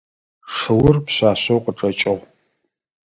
Шыур пшъашъэу къычӏэкӏыгъ.